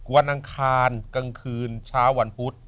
อังคารกลางคืนเช้าวันพุธ